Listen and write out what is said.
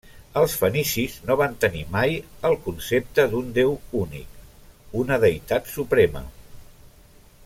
Els fenicis no van tenir mai el concepte d'un déu únic, una deïtat suprema.